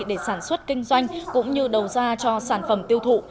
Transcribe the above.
để sản xuất kinh doanh cũng như đầu ra cho sản phẩm tiêu thụ